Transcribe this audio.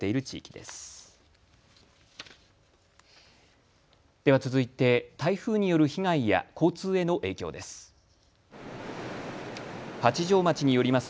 では続いて台風による被害や交通への影響です。